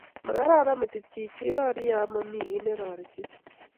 Magararan metit chichin rorye amami guy nerorechini